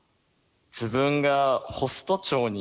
自分がホスト長に。